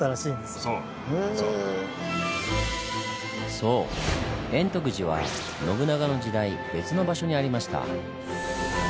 そう円徳寺は信長の時代別の場所にありました。